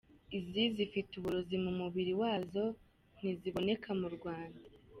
Izi zifite uburozi mu mubiri wazo nti ziboneka mu Rwanda.